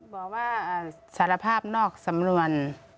บอกว่าสารภาพนอกสำนวน